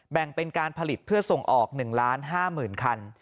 แบ่งเป็นการผลิตเพื่อส่งออก๑๕๐๐๐คัน